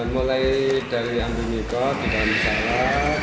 mulai dari ambil mikot di dalam sarat